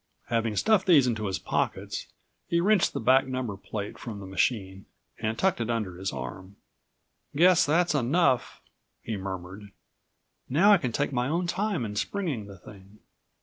Having stuffed these into his pockets, he wrenched the back number plate from the machine and tucked it under his arm. "Guess that's enough," he murmured. "Now I can take my own time in springing the thing.